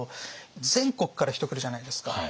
全国から人来るじゃないですか。